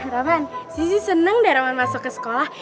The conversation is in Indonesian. roman sisi seneng deh roman masuk ke sekolah